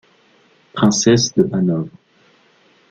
Princesse de Hanovre.